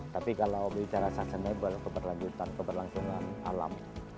tapi kalau bicara sustainable keberlanjutan keberlangsungan alam